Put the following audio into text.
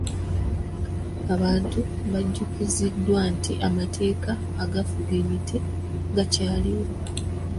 Abantu bajjukiziddwa nti amateeka agafuga emiti gakyaliwo.